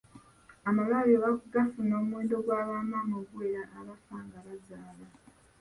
Amalwaliro gafuna omuwendo gwa bamaama oguwera abafa nga bazaala.